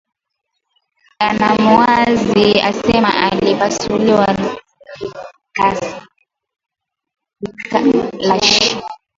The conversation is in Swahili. Banamuwazia asema alipasula rikalashi